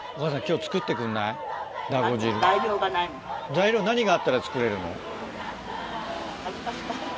材料何があったら作れるの？